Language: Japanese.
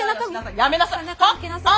やめなさい！